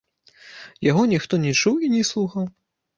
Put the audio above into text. Яго ніхто не чуў і не слухаў.